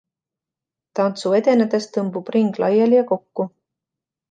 Tantsu edenedes tõmbub ring laiali ja kokku.